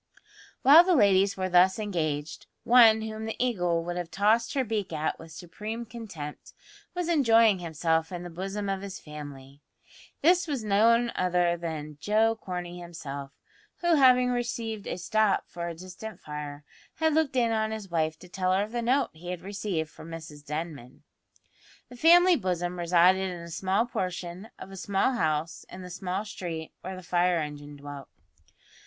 While the ladies were thus engaged, one whom the Eagle would have tossed her beak at with supreme contempt was enjoying himself in the bosom of his family. This was none other than Joe Corney himself, who, having received a "stop" for a distant fire, had looked in on his wife to tell her of the note he had received from Mrs Denman. The family bosom resided in a small portion of a small house in the small street where the fire engine dwelt.